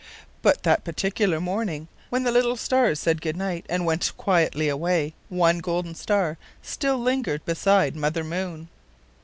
But that particular morning when the little stars said good night and went quietly away, one golden star still lingered beside Mother Moon.